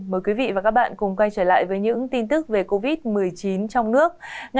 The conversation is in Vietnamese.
mời quý vị và các bạn cùng quay trở lại với những tin tức về covid một mươi chín trong nước